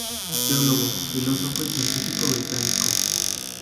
Teólogo, filósofo y científico británico.